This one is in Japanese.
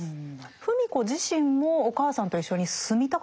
芙美子自身もお母さんと一緒に住みたかったんでしょうか？